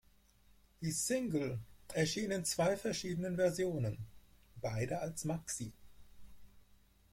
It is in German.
Die Single erschien in zwei verschiedenen Versionen, beide als Maxi.